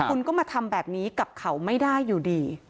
คุณก็มาทำแบบนี้กับเขาไม่ได้อยู่ดี